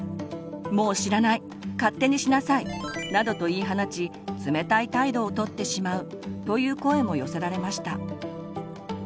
「もう知らない勝手にしなさい」などと言い放ち冷たい態度をとってしまうという声も寄せられました。